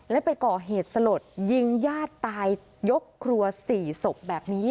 และไปก่อเหตุสลดยิงญาติตายยกครัว๔ศพแบบนี้